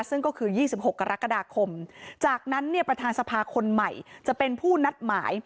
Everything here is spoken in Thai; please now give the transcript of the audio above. ซึ่งก็คือ๒๖กรกฎาคมจากนั้นเนี่ยประธานสภาคนใหม่จะเป็นผู้นัดหมาย